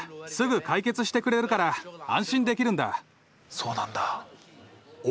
そうなんだ。